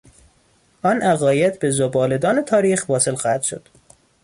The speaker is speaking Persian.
آن عقاید به زباله دان تاریخ واصل خواهد شد.